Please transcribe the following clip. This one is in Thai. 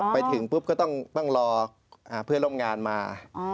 ไปถึงปุ๊บก็ต้องรอเพื่อนร่วมงานมา